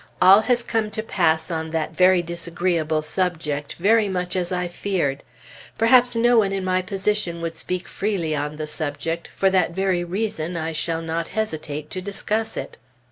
All has come to pass on that very disagreeable subject very much as I feared. Perhaps no one in my position would speak freely on the subject; for that very reason I shall not hesitate to discuss it.